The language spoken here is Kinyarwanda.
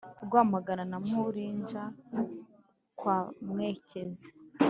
rwamagana na murinja kwa muekezi